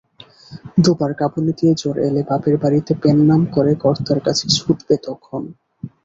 দুবার কাপুনি দিয়ে জ্বর এলে বাপের বাড়িতে পেন্নাম করে কর্তার কাছে ছুটবে তখন।